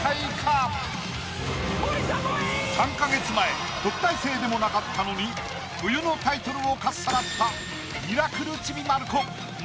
３か月前特待生でもなかったのに冬のタイトルをかっさらったミラクル。